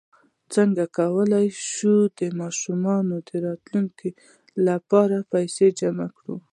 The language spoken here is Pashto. څنګ کولی شم د ماشومانو د راتلونکي لپاره پیسې جمع کړم